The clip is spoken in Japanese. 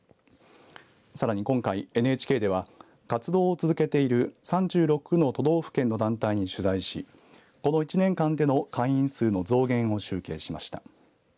さらに今回、ＮＨＫでは活動を続けている３６の都道府県の団体に取材しこの１年間での会員数の増減を集計しました。